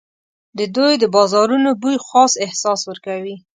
د دوی د بازارونو بوی خاص احساس ورکوي.